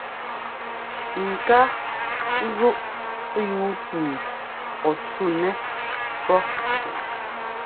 Ŋ ká zúʼ yúu mi ɔ cúnɛ pɔ́.